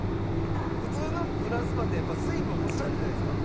普通のフランスパンってやっぱ水分欲しなるじゃないですか。